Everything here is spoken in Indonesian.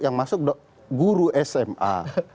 yang masuk guru sma